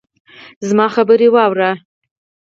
زما خبره واورئ